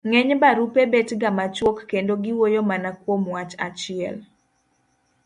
ng'eny barupe betga machuok kendo giwuoyo mana kuom wach achiel.